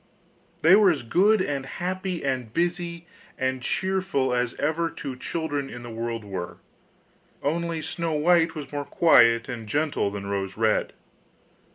They were as good and happy, as busy and cheerful as ever two children in the world were, only Snow white was more quiet and gentle than Rose red.